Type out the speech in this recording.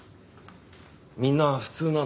みんな普通なんだよ。